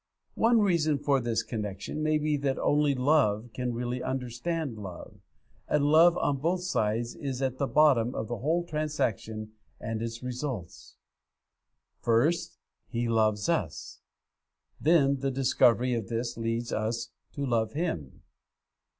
One reason for this connection may be that only love can really understand love, and love on both sides is at the bottom of the whole transaction and its results. First, He loves us. Then the discovery of this leads us to love Him.